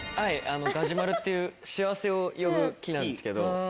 ガジュマルっていう幸せを呼ぶ木なんですけど。